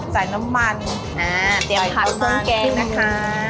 ใส่น้ำมันอ่าเตรียมผัดพรุ่งแกงนะคะ